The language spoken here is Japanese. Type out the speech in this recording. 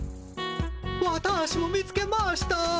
ワタ−シも見つけました！